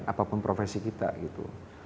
apapun profesi kita gitu